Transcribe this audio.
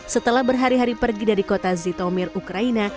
setelah berhari hari pergi dari kota zitomir ukraina